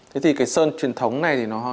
thế thì cái sơn truyền thống này thì nó